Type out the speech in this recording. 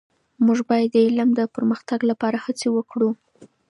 موږ باید د علم د پرمختګ لپاره هڅې وکړو.